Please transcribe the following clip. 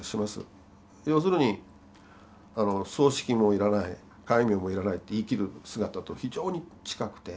要するに葬式も要らない戒名も要らないって言い切る姿と非常に近くて。